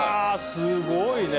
すごいね。